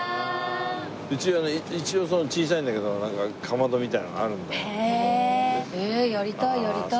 うちはね一応小さいんだけどかまどみたいなのがあるんだよ。